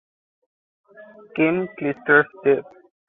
Kim Clijsters def.